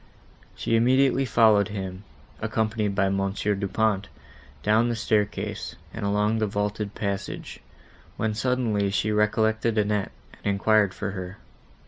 She immediately followed him, accompanied by Mons. Du Pont, down the staircase, and along a vaulted passage, when suddenly she recollected Annette, and enquired for her.